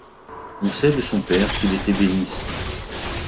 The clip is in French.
On sait de son père qu'il est ébéniste.